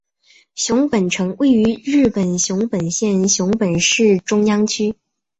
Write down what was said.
熊本城位于日本熊本县熊本市中央区。